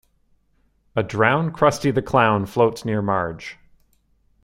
A drowned Krusty the Clown floats near Marge.